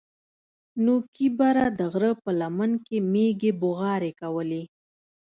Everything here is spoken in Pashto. نوکي بره د غره په لمن کښې مېږې بوغارې کولې.